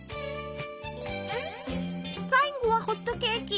最後はホットケーキ！